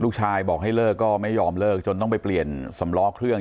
ลูกชายบอกให้เลิกก็ไม่ยอมเลิกจนต้องไปเปลี่ยนสำล้อเครื่อง